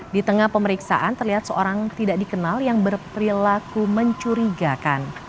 di tengah pemeriksaan terlihat seorang tidak dikenal yang berperilaku mencurigakan